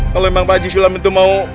kalau memang pak haji sulam itu mau